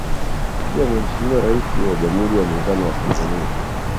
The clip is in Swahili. Pia Mheshimiwa Rais wa Jamhuri ya muungano wa Tanzania